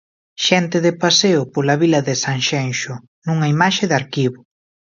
Xente de paseo pola vila de Sanxenxo nunha imaxe de arquivo.